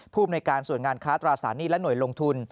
ภูมิในการส่วนงานค้าตราสารหนี้และหน่วยลงทุน